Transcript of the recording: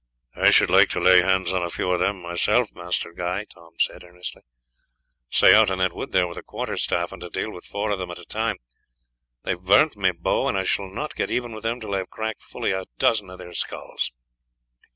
"I should like to lay hands on a few of them myself, Master Guy," Tom said earnestly, "say out in that wood there with a quarter staff, and to deal with four of them at a time. They have burnt my bow, and I shall not get even with them till I have cracked fully a dozen of their skulls."